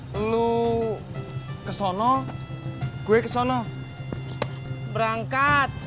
bang tukang ojeknya pada kemana